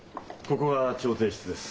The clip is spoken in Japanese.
ここが調停室です。